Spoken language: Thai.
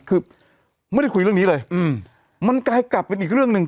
คือไม่ได้คุยเรื่องนี้เลยอืมมันกลายกลับเป็นอีกเรื่องหนึ่ง